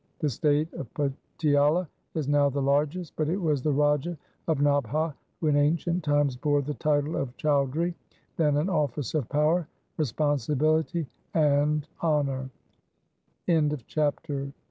The state of Patiala is now the largest, but it was the Raja of Nabha who in ancient times bore the title of Chaudhri, then an office of power, responsibility, and hon